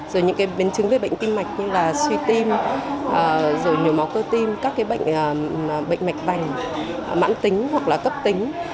rồi những biến chứng về bệnh tim mạch như là suy tim rồi máu cơ tim các cái bệnh mạch vành mãn tính hoặc là cấp tính